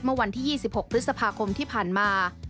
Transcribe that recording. เมื่อวันที่๒๖พฤษภาคมที่ผ่านมา